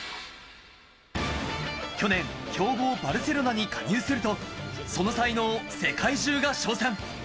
去年、強豪・バルセロナに加入すると、その才能を世界中が賞賛。